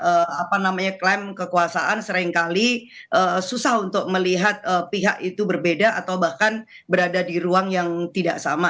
karena apa namanya klaim kekuasaan seringkali susah untuk melihat pihak itu berbeda atau bahkan berada di ruang yang tidak sama